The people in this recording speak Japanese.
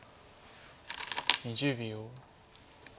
２０秒。